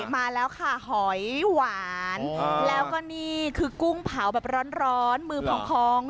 มาแล้วค่ะหอยหวานแล้วก็นี่คือกุ้งเผาแบบร้อนมือพอง